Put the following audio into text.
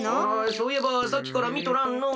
そういえばさっきからみとらんのう。